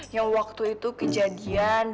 yang waktu itu kejadiannya